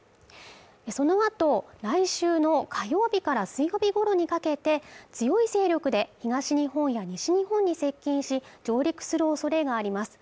そのあと来週の火曜日から水曜日ごろにかけて強い勢力で東日本や西日本に接近し上陸するおそれがあります